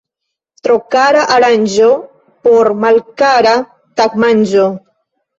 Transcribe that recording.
Tro kara aranĝo por malkara tagmanĝo.